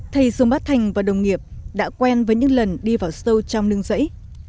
thầy dương bát thành và đồng nghiệp đã quen với những lần đi vào sâu trong nương rẫy